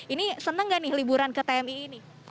ini seneng gak nih liburan ke tmi ini